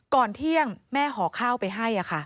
ก่อนเที่ยงแม่ห่อข้าวไปให้